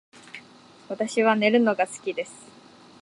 私は寝るのが好きです